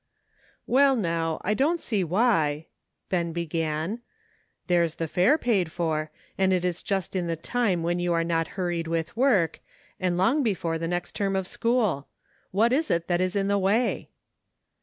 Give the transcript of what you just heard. " Well, now, I don't see why," began Ben ; "there's the fare provided for, and it is just in the time when you are not hurried with work, and long before the next term of school. What is it that is in the way?"